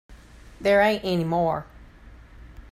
There ain't any more.